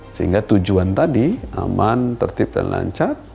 sehingga tujuan tadi aman tertib dan lancar